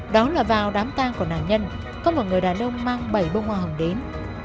đó là vào đám tang của nạn nhân có một người đàn ông mang bảy bông hoa hồng đến